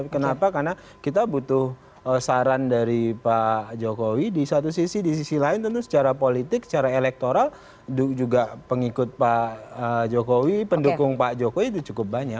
kenapa karena kita butuh saran dari pak jokowi di satu sisi di sisi lain tentu secara politik secara elektoral juga pengikut pak jokowi pendukung pak jokowi itu cukup banyak